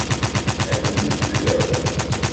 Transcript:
Elles ne doutent plus de rien.